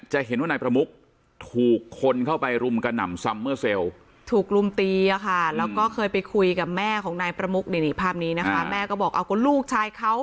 จะเห็นว่านายประมุกถูกคนเข้าไปรุมกระหน่ำซัมเมอร์เซลล์